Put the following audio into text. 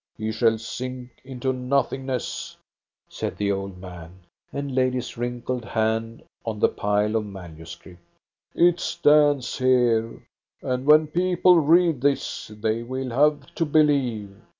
He shall sink into nothingness," said the old man, and laid his wrinkled hand on the pile of manuscript. " It stands here ; and when people read this, they will have to believe.